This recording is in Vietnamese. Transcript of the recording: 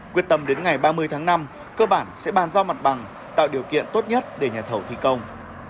quyết tâm đến ngày ba mươi tháng năm cơ bản sẽ bàn giao mặt bằng tạo điều kiện tốt nhất để nhà thầu thi công